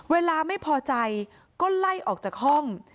เวลาไม่พอใจก็ไล่ออกจากห้อง